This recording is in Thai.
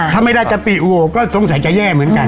ถ้าไม่ได้จะปีอู่ก็สงสัยจะแย่เหมือนกัน